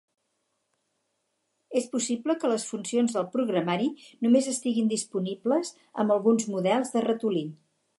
És possible que les funcions del programari només estiguin disponibles amb alguns models de ratolí.